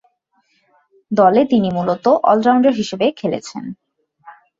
দলে তিনি মূলতঃ অল-রাউন্ডার হিসেবে খেলছেন।